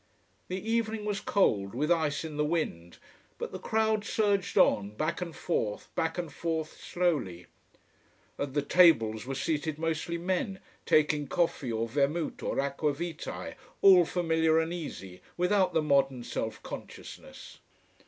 The evening was cold, with ice in the wind. But the crowd surged on, back and forth, back and forth, slowly. At the tables were seated mostly men, taking coffee or vermouth or aqua vitae, all familiar and easy, without the modern self consciousness.